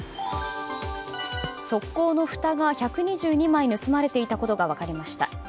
側溝のふたが１２２枚盗まれていたことが分かりました。